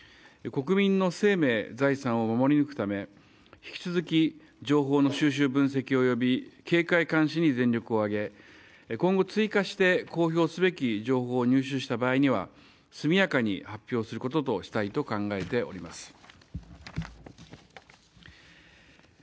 国民の生命・財産を守り抜くため引き続き情報の収集・分析および警戒監視に全力を挙げ今後、追加して公表すべき情報を入手した場合には速やかに発表することとしたいと考えております。